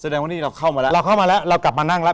แสดงว่านี่เราเข้ามาแล้วเราเข้ามาแล้วเรากลับมานั่งแล้ว